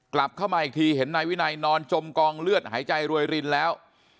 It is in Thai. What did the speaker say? กลับเข้ามาอีกทีเห็นนายวินัยนอนจมกองเลือดหายใจรวยรินแล้ว